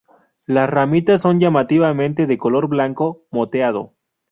Las ramitas son llamativamente de color blanco moteado.